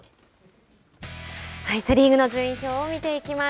セ・リーグの順位表を見ていきます。